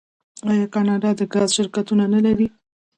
آیا کاناډا د ګاز شرکتونه نلري؟